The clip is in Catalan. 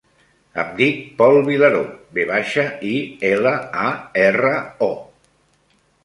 Em dic Pol Vilaro: ve baixa, i, ela, a, erra, o.